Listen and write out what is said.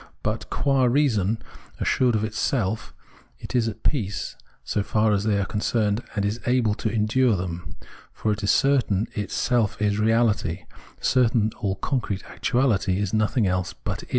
But qua reason, assured of itself, it is at peace so far as they are concerned, and is able to endure them ; for it is certain its self is reahty, certain that all concrete actuahty is nothing else but it.